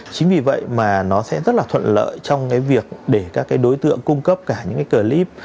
chính vì vậy mà nó sẽ rất là thuận lợi trong việc để các đối tượng cung cấp cả những clip